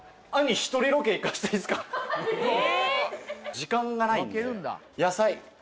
時間がないんで。